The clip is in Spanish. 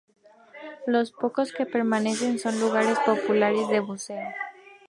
Los pocos que permanecen son lugares populares de buceo.